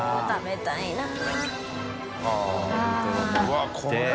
わっこれ。